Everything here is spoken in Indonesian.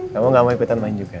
kamu gak mau ikutan main juga